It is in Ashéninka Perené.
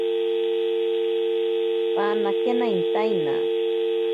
Panakena intaina.